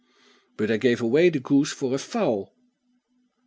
"But I gave away the goose for a fowl."